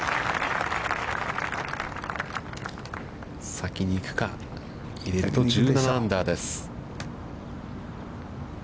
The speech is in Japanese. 先に行くか、入れると１７アンダーです。